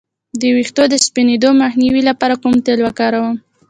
د ویښتو د سپینیدو مخنیوي لپاره کوم تېل وکاروم؟